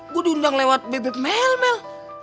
gue diundang lewat bibit melmel